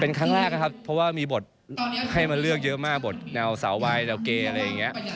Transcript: เป็นครั้งแรกนะครับเพราะว่ามีบทให้มาเลือกเยอะมากบทแนวสาววายแนวเกย์อะไรอย่างนี้